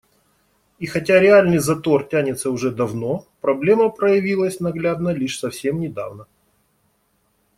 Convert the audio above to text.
И хотя реальный затор тянется уже давно, проблема проявилась наглядно лишь совсем недавно.